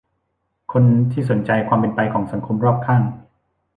คนที่สนใจความเป็นไปของสังคมรอบข้าง